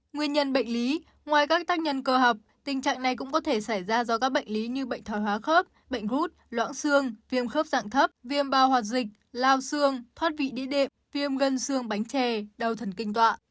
nguyên nhân bệnh lý ngoài các tác nhân cơ học tình trạng này cũng có thể xảy ra do các bệnh lý như bệnh thòi hóa khớp bệnh gút loãng xương viêm khớp dạng thấp viêm bao hoạt dịch lao xương thoát vị đi đệm viêm xương bánh trè đau thần kinh tọa